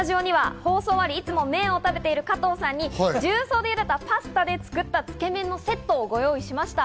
放送終わり、いつも麺を食べている加藤さんに重曹でゆでたパスタで作ったつけ麺のセットをご用意しました。